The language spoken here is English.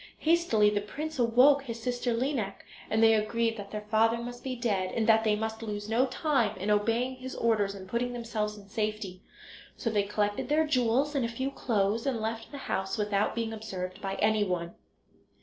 Hastily the prince awoke his sister Lineik, and they agreed that their father must be dead, and that they must lose no time in obeying his orders and putting themselves in safety. So they collected their jewels and a few clothes and left the house without being observed by anyone.